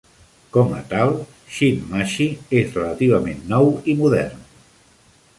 Com a tal, Shinmachi és relativament nou i modern.